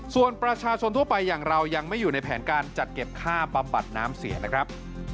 ส่วนประชาชนทั่วไปอย่างเรายังไม่อยู่ในแผนการจัดเก็บค่าบำบัดน้ำเสียนะครับ